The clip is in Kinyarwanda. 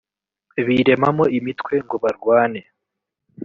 biremamo imitwe ngo barwane